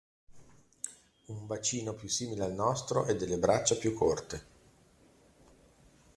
Un bacino più simile al nostro e delle braccia più corte.